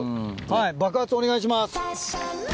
はい爆発お願いします。